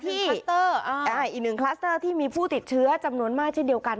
คลัสเตอร์อีกหนึ่งคลัสเตอร์ที่มีผู้ติดเชื้อจำนวนมากเช่นเดียวกัน